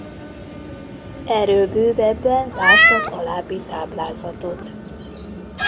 Erről bővebben lásd az alábbi táblázatot!